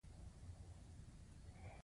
پوهه تر لاسه کړئ